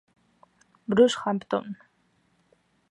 Bruce Hampton.